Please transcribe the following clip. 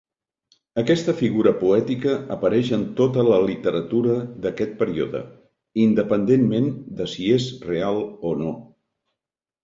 Aquesta figura poètica apareix en tota la literatura d'aquest període, independentment de si és real o no.